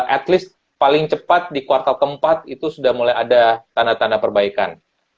at least paling cepat di kuartal keempat itu sudah mulai ada tanda tanda perbaikan